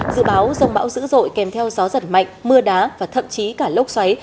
dự báo rông bão dữ dội kèm theo gió giật mạnh mưa đá và thậm chí cả lốc xoáy